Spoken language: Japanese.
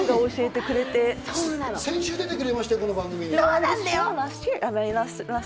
先週出てくれましたよ、この番組に。